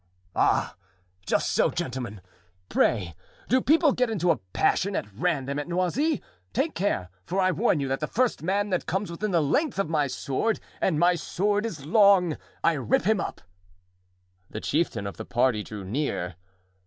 "Ah! just so, gentlemen! pray, do people get into a passion at random at Noisy? Take care, for I warn you that the first man that comes within the length of my sword—and my sword is long—I rip him up." The chieftain of the party drew near.